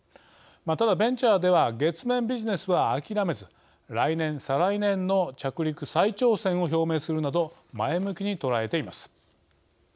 ただベンチャーでは月面ビジネスは諦めず来年再来年の着陸再挑戦を表明するなど前向きに捉えています。